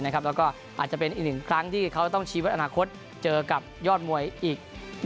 ซึ่งอาจจะเป็นอีกครั้งที่เขาจะต้องชีวิตให้ยอดมวยอีก